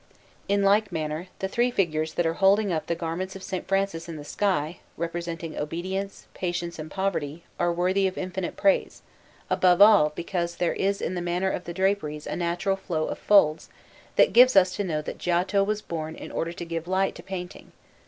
In like manner, the three figures that are upholding the garments of S. Francis in the sky, representing Obedience, Patience, and Poverty, are worthy of infinite praise, above all because there is in the manner of the draperies a natural flow of folds that gives us to know that Giotto was born in order to give light to painting.